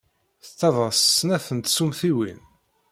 Tettaḍḍas s snat n tsumtiwin.